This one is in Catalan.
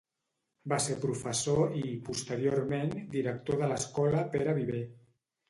Va ser professor i, posteriorment, director de l'escola Pere Viver.